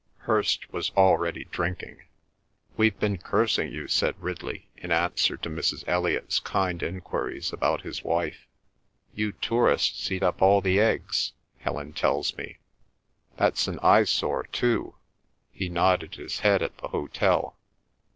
Hirst was already drinking. "We've been cursing you," said Ridley in answer to Mrs. Elliot's kind enquiries about his wife. "You tourists eat up all the eggs, Helen tells me. That's an eye sore too"—he nodded his head at the hotel.